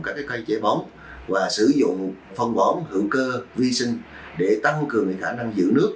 các cây chế bóng và sử dụng phân bón hữu cơ vi sinh để tăng cường khả năng giữ nước